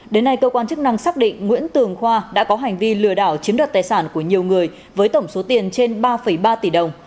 đến nay cơ quan chức năng xác định nguyễn tường khoa đã có hành vi lừa đảo chiếm đoạt tài sản của nhiều người với tổng số tiền trên ba ba tỷ đồng